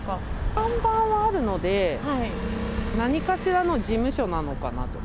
看板はあるので、何かしらの事務所なのかなとか。